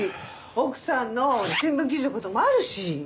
奥さんの新聞記事の事もあるし。